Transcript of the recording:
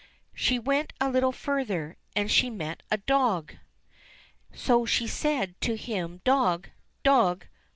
"h^ She went a little further, and she met a dog. So she said to him, " Dog ! dog